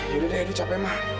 yaudah edo capek ma